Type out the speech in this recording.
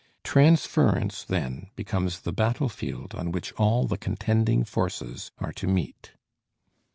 Transference, then, becomes the battlefield on which all the contending forces are to meet.